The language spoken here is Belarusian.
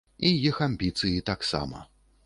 І іх амбіцыі таксама.